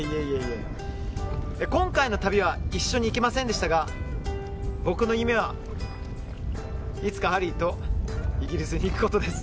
今回の旅は一緒に行けませんでしたが僕の夢は、いつかハリーとイギリスに行くことです。